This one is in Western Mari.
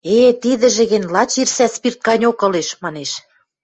– Э-э, тидӹжӹ гӹнь лач ирсӓ спирт ганьок ылеш, – манеш